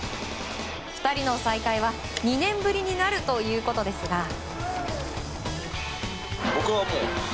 ２人の再会は２年ぶりになるということですが。